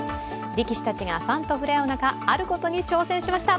力士たちがファンと触れ合う中あることに挑戦しました！